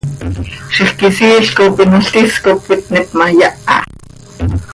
Zixquisiil cop inol tis cop cöitníp ma, yaha.